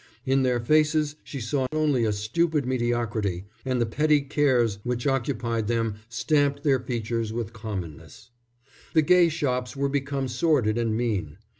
In their faces she saw now only a stupid mediocrity; and the petty cares which occupied them stamped their features with commonness. The gay shops were become sordid and mean.